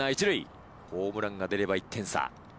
１塁ホームランが出れば１点差。